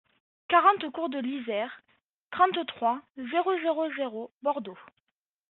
quarante cours de l'Yser, trente-trois, zéro zéro zéro, Bordeaux